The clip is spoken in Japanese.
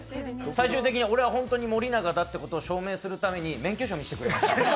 最終的には俺は本当に森永だということを証明するために免許証、見せてくれました。